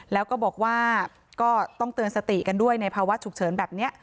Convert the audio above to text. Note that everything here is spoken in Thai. แล้วก็บอกว่าก็ต้องเตือนสติกันด้วยในภาวะฉุกเฉินแบบนี้